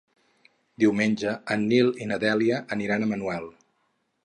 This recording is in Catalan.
Diumenge en Nil i na Dèlia aniran a Manuel.